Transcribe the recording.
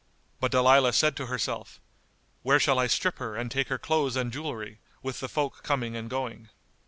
But Dalilah said to herself, "Where shall I strip her and take her clothes and jewellery, with the folk coming and going?"